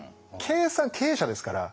計算経営者ですから。